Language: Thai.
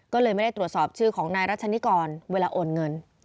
ก็เลยไม่ได้ตรวจสอบชื่อของนายรัชนิกรเวลาโอนเงิน